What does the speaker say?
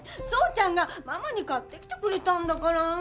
奏ちゃんがママに買ってきてくれたんだから。